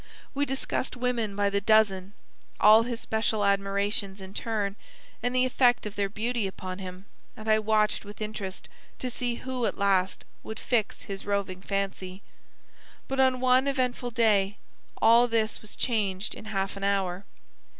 We discussed women by the dozen, all his special admirations in turn, and the effect of their beauty upon him, and I watched with interest to see who, at last, would fix his roving fancy. But on one eventful day all this was changed in half an hour.